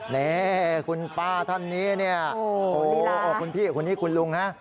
นี่คุณป้าท่านนี้เนี่ยโอ้โหคุณพี่คนนี้คุณลุงนะ